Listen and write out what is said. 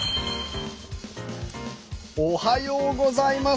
おはようございます。